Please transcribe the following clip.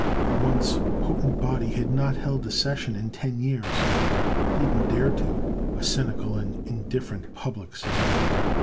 The once potent body had not held a session in ten years: didn't dare to, a cynical and indifferent public said.